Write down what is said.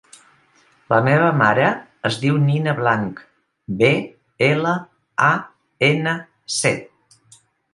La meva mare es diu Nina Blanc: be, ela, a, ena, ce.